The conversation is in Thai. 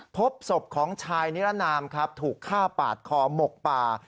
พบศพของชายนิรนามครับถูกฆ่าปาดคอหมกป่า